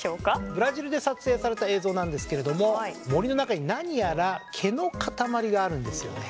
ブラジルで撮影された映像なんですけれども森の中に何やら毛の固まりがあるんですよね。